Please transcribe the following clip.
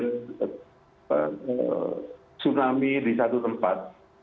tsunami di satu tempat